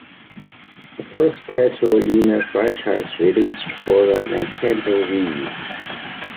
The first title in the franchise released for the Nintendo Wii.